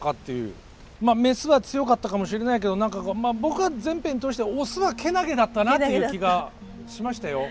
まあメスは強かったかもしれないけど何か僕は全編通してオスはけなげだったなっていう気がしましたよ。